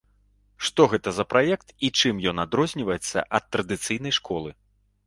Што гэта за праект і чым ён адрозніваецца ад традыцыйнай школы?